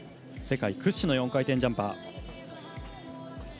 世界屈指の４回転ジャンパー。